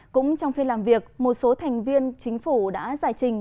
cũng trong phiên làm việc một số thành viên chính phủ đã giải trình